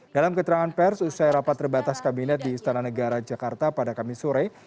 dalam keterangan pers usai rapat terbatas kabinet di istana negara jakarta pada kamis sore